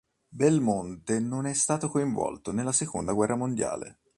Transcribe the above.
Belmonte non è stato coinvolto nella seconda guerra mondiale.